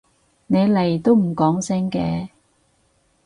你嚟都唔講聲嘅？